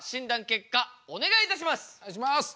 お願いします！